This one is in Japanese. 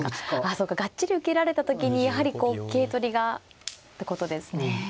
あそうかがっちり受けられた時にやはりこう桂取りがってことですね。